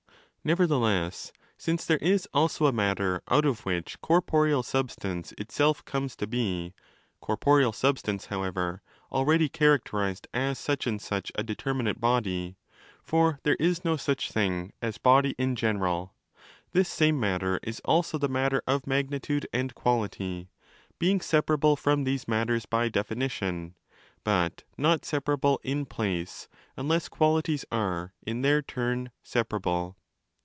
* Nevertheless, since there is also a matter out of which corporeal substance itself comes to be (corporeal substance, however, already characterized as such and such a determinate body, for there is no such thing as body in general), this same matter is also the matter of magnitude and quality—being separ able from these matters by definition, but not separable in place unless Qualities are, in their turn, separable.